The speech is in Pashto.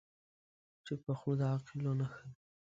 چپه خوله، د عاقلو نښه ده.